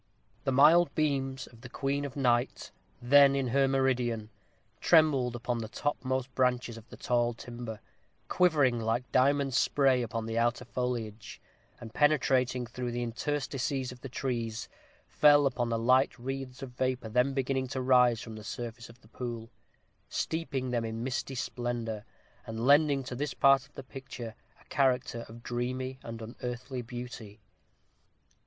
The mild beams of the queen of night, then in her meridian, trembled upon the topmost branches of the tall timber, quivering like diamond spray upon the outer foliage; and, penetrating through the interstices of the trees, fell upon the light wreaths of vapor then beginning to arise from the surface of the pool, steeping them in misty splendor, and lending to this part of the picture a character of dreamy and unearthly beauty.